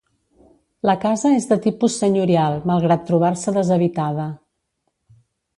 La casa és de tipus senyorial malgrat trobar-se deshabitada.